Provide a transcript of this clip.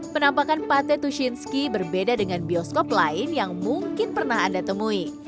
penampakan pate tushinski berbeda dengan bioskop lain yang mungkin pernah anda temui